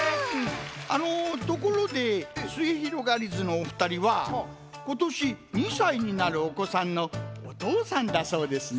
あのところですゑひろがりずのおふたりはことし２さいになるおこさんのおとうさんだそうですな。